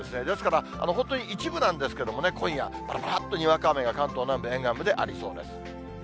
ですから、本当に一部なんですけれどもね、今夜、ぱらぱらっとにわか雨が、関東南部、沿岸部でありそうです。